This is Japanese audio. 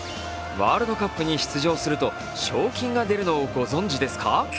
ワールドカップに出場すると賞金が出るのをご存じですか？